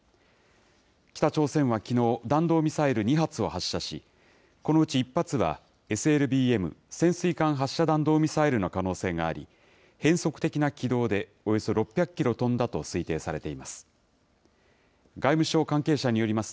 北朝鮮はきのう、弾道ミサイル２発を発射し、このうち１発は、ＳＬＢＭ・潜水艦発射弾道ミサイルの可能性があり、変則的な軌道で、およそ６００キロ飛んだと推定されています。